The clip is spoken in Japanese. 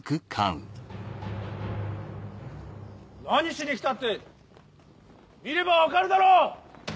何しに来たって見れば分かるだろ！